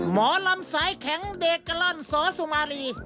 หมอลำสายแข็งเดกะล่อนสอสุมารี